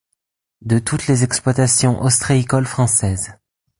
De toutes les exploitations ostréicoles françaises.